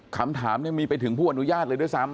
คำถามมีไปถึงผู้อนุญาตเลยด้วยซ้ำ